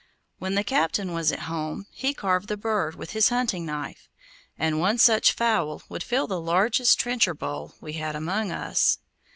When the captain was at home, he carved the bird with his hunting knife, and one such fowl would fill the largest trencher bowl we had among us.